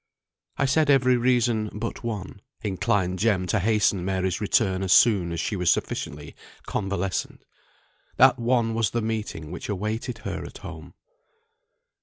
I said every reason "but one" inclined Jem to hasten Mary's return as soon as she was sufficiently convalescent. That one was the meeting which awaited her at home.